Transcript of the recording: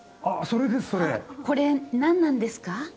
それこれ何なんですか？